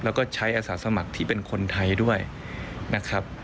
แล้วก็ใช้อาสาสมัครที่เป็นคนไทยด้วยนะครับ